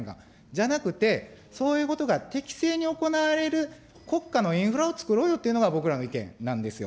じゃなくて、そういうことが適正に行われる国家のインフラを作ろうよというのが僕らの意見なんですよ。